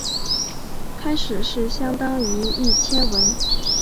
开始是相当于一千文。